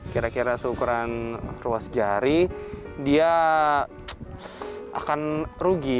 kira kira seukuran ruas jari dia akan rugi